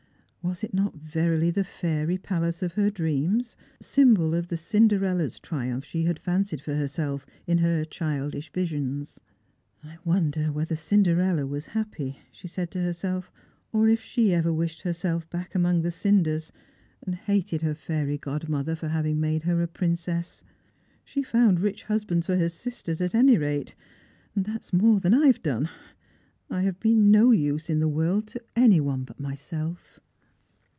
Was it not verily the fairy palace of her dreams, symbol of the Cinderella's triumph she had fancied for herself in her childish visions? "I wonder whether Cinderella was happy," she said to herself, " or if she ever wished herself back among the cinders, and hated her fairy godmother for having made her a i^rincess. She found rich husbands for her sisters at any rate, and that is "more than I have done. I have been no use in the world to any one but myself."